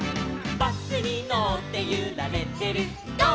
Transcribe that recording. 「バスにのってゆられてるゴー！